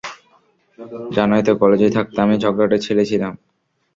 জানোই তো, কলেজে থাকতে আমি ঝগড়াটে ছেলে ছিলাম।